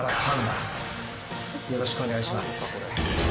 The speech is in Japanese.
よろしくお願いします。